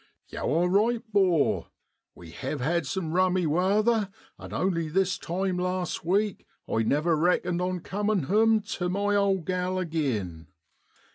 ( Yow are right, 'bor, we hev had some rummy waather, and only this time last week I never reckoned on comin' home tu my old gal ag'in.